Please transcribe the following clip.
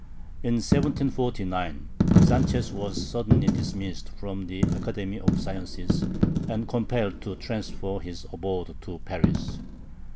In 1749 Sanchez was suddenly dismissed from the Academy of Sciences, and compelled to transfer his abode to Paris.